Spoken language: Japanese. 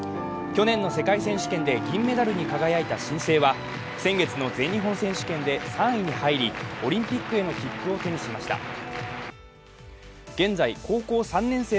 去年の世界選手権で銀メダルに輝いた新星は先月の全日本選手権で３位に入りオリンピックへの切符を手にしました。